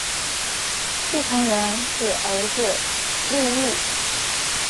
继承人是儿子利意。